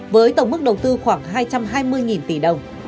với tổng mức đầu tư khoảng hai trăm hai mươi tỷ đồng